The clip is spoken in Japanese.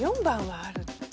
４番はある。